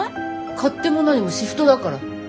勝手も何もシフトだから。